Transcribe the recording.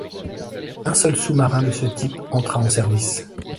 Un seul sous-marin de ce type entra en service.